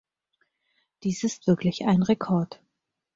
Dies ist wirklich ein Rekord.